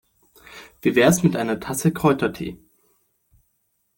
Wie wär's mit einer Tasse Kräutertee?